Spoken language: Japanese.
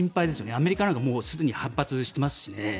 アメリカなんかすでに反発してますしね。